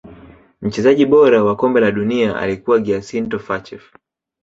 mchezaji bora wa kombe la dunia alikuwa giasinto faccheff